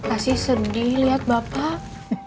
asih sedih liat bapak